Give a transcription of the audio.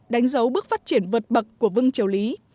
đánh dấu bước phát triển vượt bậc của vương triều lý